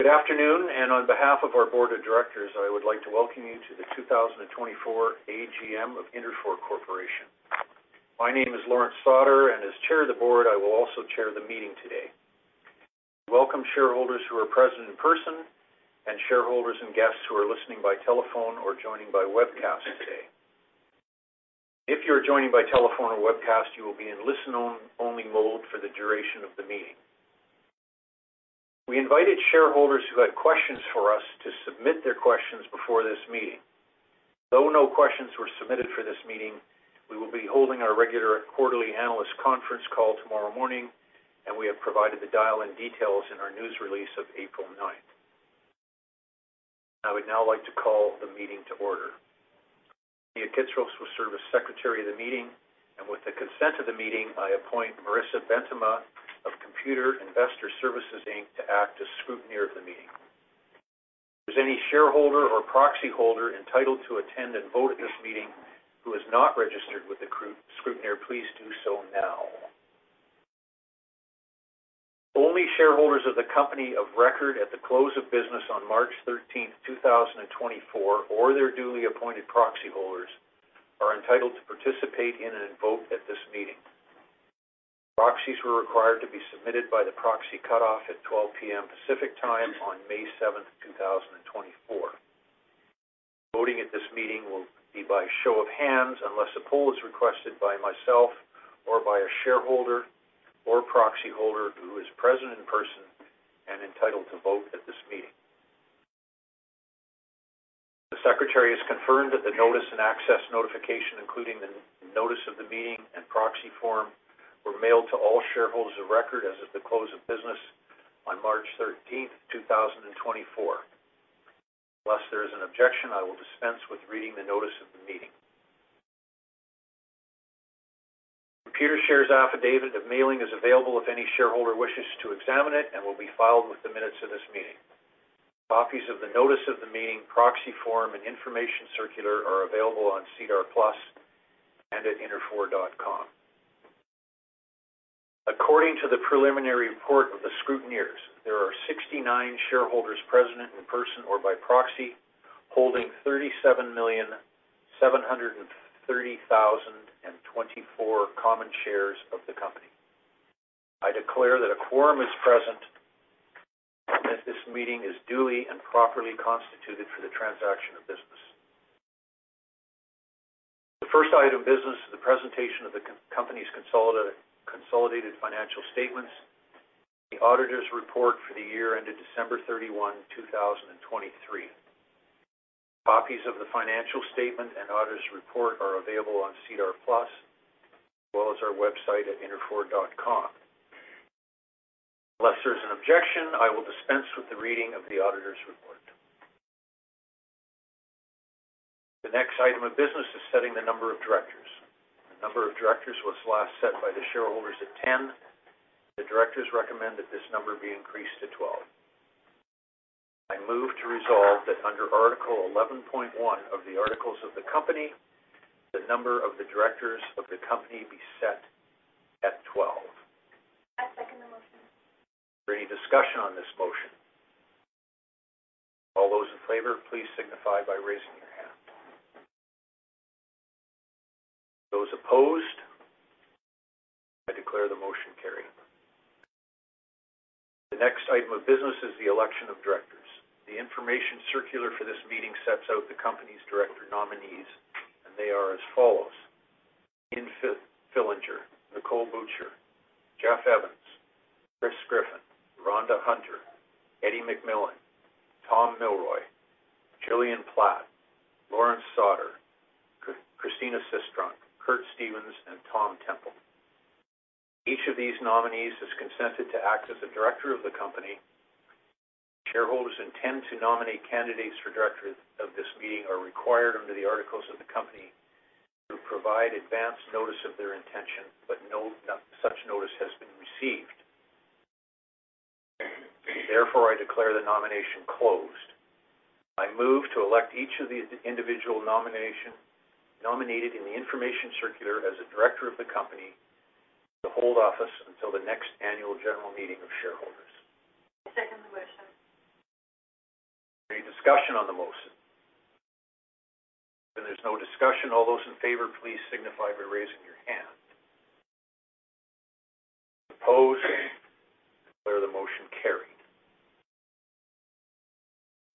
Good afternoon, and on behalf of our Board of Directors, I would like to welcome you to the 2024 AGM of Interfor Corporation. My name is Lawrence Sauder, and as Chair of the Board, I will also chair the meeting today. Welcome, shareholders who are present in person, and shareholders and guests who are listening by telephone or joining by webcast today. If you are joining by telephone or webcast, you will be in listen-only mode for the duration of the meeting. We invited shareholders who had questions for us to submit their questions before this meeting. Though no questions were submitted for this meeting, we will be holding our regular quarterly analyst conference call tomorrow morning, and we have provided the dial-in details in our news release of April ninth. I would now like to call the meeting to order. Xenia Kritsos will serve as secretary of the meeting, and with the consent of the meeting, I appoint Marissa Bentema of Computershare Investor Services, Inc. to act as scrutineer of the meeting. If there's any shareholder or proxy holder entitled to attend and vote at this meeting who is not registered with the scrutineer, please do so now. Only shareholders of the company of record at the close of business on March 13, 2024, or their duly appointed proxy holders, are entitled to participate in and vote at this meeting. Proxies were required to be submitted by the proxy cutoff at 12:00 P.M. Pacific Time on May 7, 2024. Voting at this meeting will be by show of hands, unless a poll is requested by myself or by a shareholder or proxy holder who is present in person and entitled to vote at this meeting. The secretary has confirmed that the notice and access notification, including the notice of the meeting and proxy form, were mailed to all shareholders of record as of the close of business on March thirteenth, two thousand and twenty-four. Unless there is an objection, I will dispense with reading the notice of the meeting. Computershare Affidavit of mailing is available if any shareholder wishes to examine it, and will be filed with the minutes of this meeting. Copies of the notice of the meeting, proxy form, and information circular are available on SEDAR+ and at interfor.com. According to the preliminary report of the scrutineers, there are 69 shareholders present in person or by proxy, holding 37,730,024 common shares of the company. I declare that a quorum is present, and that this meeting is duly and properly constituted for the transaction of business. The first item of business is the presentation of the company's consolidated financial statements, the auditor's report for the year ended December 31, 2023. Copies of the financial statement and auditor's report are available on SEDAR+, as well as our website at interfor.com. Unless there's an objection, I will dispense with the reading of the auditor's report. The next item of business is setting the number of directors. The number of directors was last set by the shareholders at 10. The directors recommend that this number be increased to 12. I move to resolve that under Article 11.1 of the articles of the company, the number of the directors of the company be set at 12. I second the motion. Is there any discussion on this motion? All those in favor, please signify by raising your hand. Those opposed? I declare the motion carried. The next item of business is the election of directors. The information circular for this meeting sets out the company's director nominees, and they are as follows: Ian Fillinger, Nicolle Butcher, Geoffrey Evans, Christopher Griffin, Rhonda Hunter, J. Eddie McMillan, Thomas V. Milroy, Gillian Platt, Lawrence Sauder, Christina Sistrunk, Curtis M. Stevens, and Thomas Temple. Each of these nominees has consented to act as a director of the company. Shareholders intend to nominate candidates for directors of this meeting are required under the articles of the company, to provide advanced notice of their intention, but no such notice has been received. Therefore, I declare the nomination closed. I move to elect each of the individual nomination, nominated in the Information Circular as a director of the company, to hold office until the next Annual General Meeting of shareholders. I second the motion. Any discussion on the motion? Then there's no discussion. All those in favor, please signify by raising your hand. Opposed? I declare the motion carried.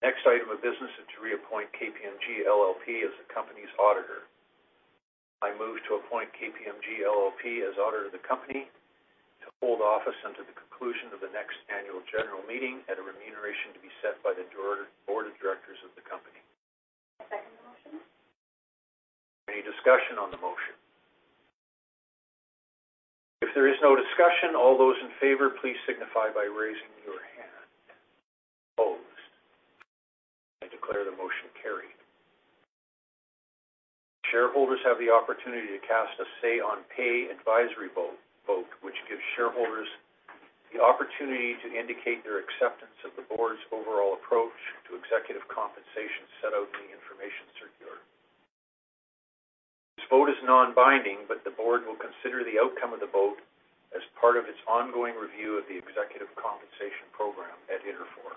Next item of business is to reappoint KPMG LLP as the company's auditor. I move to appoint KPMG LLP as auditor of the company to hold office until the conclusion of the next annual general meeting at a remuneration to be set by the board of directors of the company. I second the motion. Any discussion on the motion? If there is no discussion, all those in favor, please signify by raising your hand. Opposed? I declare the motion carried. Shareholders have the opportunity to cast a Say on Pay advisory vote, vote, which gives shareholders the opportunity to indicate their acceptance of the board's overall approach to executive compensation set out in the information circular. This vote is non-binding, but the board will consider the outcome of the vote as part of its ongoing review of the executive compensation program at Interfor.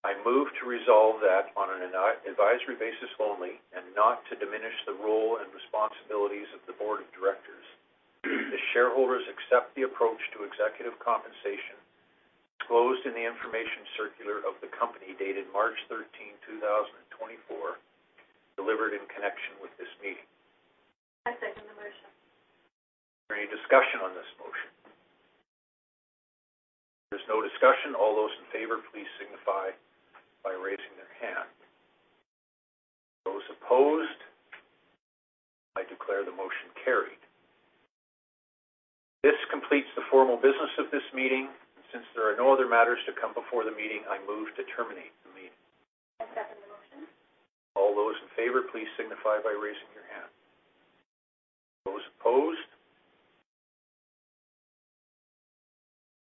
I move to resolve that on an advisory basis only, and not to diminish the role and responsibilities of the board of directors. The shareholders accept the approach to executive compensation disclosed in the information circular of the company, dated March 13, 2024, delivered in connection with this meeting. I second the motion. Any discussion on this motion? If there's no discussion, all those in favor, please signify by raising their hand. Those opposed? I declare the motion carried. This completes the formal business of this meeting. Since there are no other matters to come before the meeting, I move to terminate the meeting. I second the motion. All those in favor, please signify by raising your hand. Those opposed?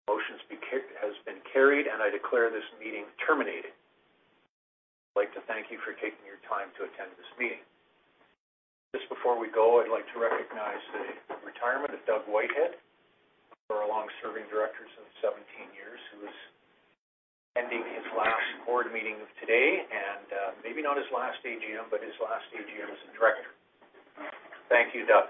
The motion has been carried, and I declare this meeting terminated. I'd like to thank you for taking your time to attend this meeting. Just before we go, I'd like to recognize the retirement of Doug Whitehead, one of our long-serving directors of 17 years, who is ending his last board meeting of today, and maybe not his last AGM, but his last AGM as a director. Thank you, Doug.